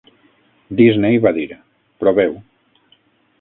Disney va dir: "Proveu."